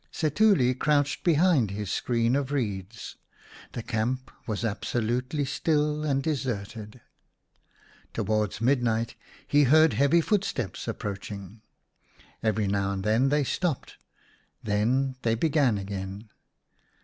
Setuli crouched behind his screen of reeds ; the camp was absolutely still and deserted. Towards midnight he heard heavy footsteps approaching. Every now and then they stopped, then they began again.